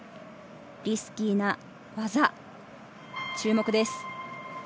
リスキーな技、注目です。